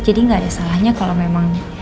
jadi gak ada salahnya kalau memang